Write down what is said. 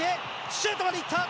シュートまでいった。